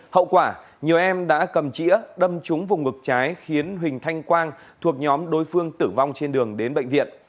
hậu quả nhiều em đã cầm chĩa đâm trúng vùng ngực trái khiến huỳnh thanh quang thuộc nhóm đối phương tử vong trên đường đến bệnh viện